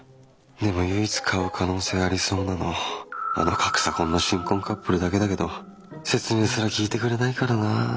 でも唯一買う可能性ありそうなのあの格差婚の新婚カップルだけだけど説明すら聞いてくれないからなあ。